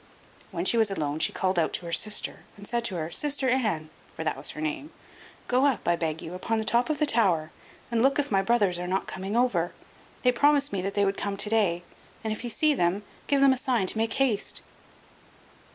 When she was alone she called out to her sister, and said to her: "Sister Anne" (for that was her name), "go up, I beg you, upon the top of the tower, and look if my brothers are not coming over; they promised me that they would come to day, and if you see them, give them a sign to make haste."